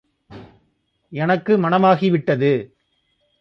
எனக்கு மணமாகி விட்டது.